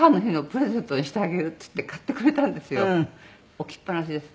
置きっぱなしです。